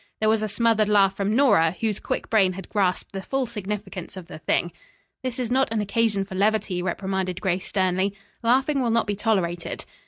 There was a smothered laugh from Nora, whose quick brain had grasped the full significance of the thing. "This is not an occasion for levity," reprimanded Grace sternly. "Laughing will not be tolerated."